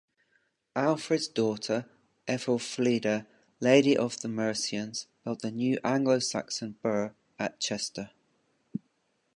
Alfred's daughter Ethelfleda, "Lady of the Mercians", built the new Anglo-Saxon 'burh' at Chester.